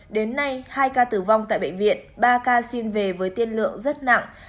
đến nay hai ca tử vong tại bệnh viện ba ca xin về với tiên lượng rất nặng